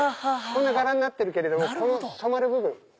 こんな柄になってるけれどもこの染まる部分。